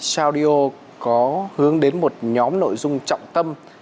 saudio có hướng đến một nhóm nội dung trọng tâm